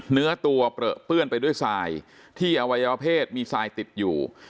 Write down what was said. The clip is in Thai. เนื้อตัวเปลือเปื้อนไปด้วยทรายที่อวัยวเพศมีทรายติดอยู่